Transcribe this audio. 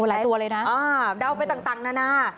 อักตัวเลยนะอ้าวดาวไปต่างนานา